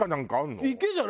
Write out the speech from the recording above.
池じゃないよ。